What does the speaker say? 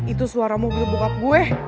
itu suara mau pukul bokap gue